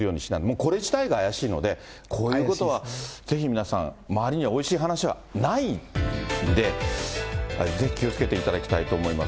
これ自体が怪しいので、こういうことはぜひ皆さん、周りにはおいしい話はないんで、ぜひ気をつけていただきたいと思います。